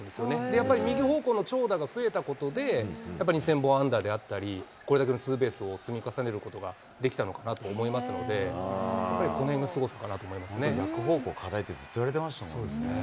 やっぱり右方向の長打が増えたことで、やっぱ２０００本安打であったり、これだけのツーベースを積み重ねることができたのかなと思いますので、やっぱりこのへんがすごさ逆方向課題って、そうですね。